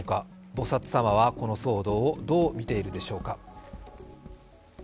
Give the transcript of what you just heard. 菩薩様はこの騒動をどう見ているのでしょうか。